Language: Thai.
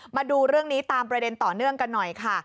มาดูเรื่องนี้ตามประเด็นต่อเนื่องกันหน่อยค่ะ